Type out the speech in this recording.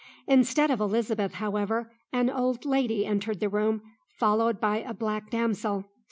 Instead of Elizabeth, however, an old lady entered the room, followed by a black damsel.